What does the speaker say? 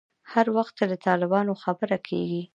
هر وخت چې د طالبانو خبره کېږي.